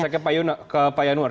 saya ke pak yanuar